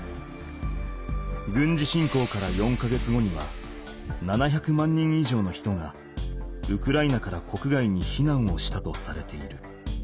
軍事侵攻から４か月後には７００万人以上の人がウクライナから国外に避難をしたとされている。